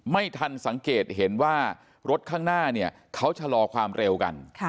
ไม่ทันสังเกตเห็นว่ารถข้างหน้าเนี่ยเขาชะลอความเร็วกัน